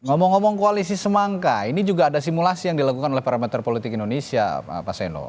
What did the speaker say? ngomong ngomong koalisi semangka ini juga ada simulasi yang dilakukan oleh parameter politik indonesia pak seno